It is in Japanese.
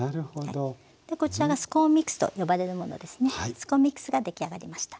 スコーンミックスが出来上がりました。